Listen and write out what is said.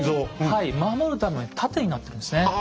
はい守るために盾になってるんですね。